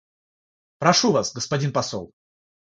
Прошу вас, господин посол.